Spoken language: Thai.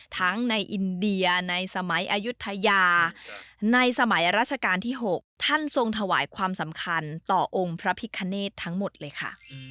ทั้งในอินเดียในสมัยอายุทยาในสมัยราชการที่๖ท่านทรงถวายความสำคัญต่อองค์พระพิคเนธทั้งหมดเลยค่ะ